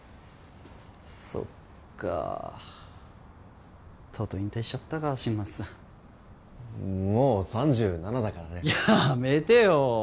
そっかとうとう引退しちゃったか新町さんもう３７だからねやめてよ